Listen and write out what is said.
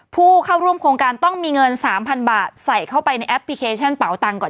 ผู้เข้าร่วมโครงการต้องมีเงิน๓๐๐๐บาทใส่เข้าไปในแอปพลิเคชันเป่าตังก่อน